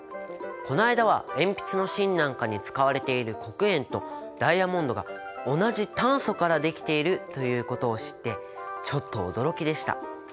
この間は鉛筆の芯なんかに使われている黒鉛とダイヤモンドが同じ炭素から出来ているということを知ってちょっと驚きでした。